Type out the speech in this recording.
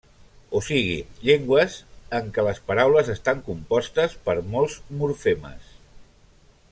O sigui, llengües en què les paraules estan compostes per molts morfemes.